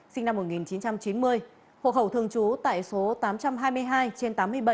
sinh năm một nghìn chín trăm chín mươi hộ khẩu thường trú tại số tám trăm hai mươi hai trên tám mươi bảy